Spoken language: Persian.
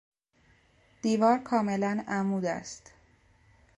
دیوار کاملا عمود است.